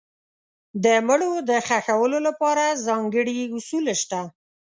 د مړو د ښخولو لپاره ځانګړي اصول شته.